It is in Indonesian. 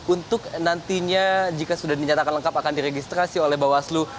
untuk nantinya jika sudah dinyatakan lengkap akan diregistrasi oleh bawaslu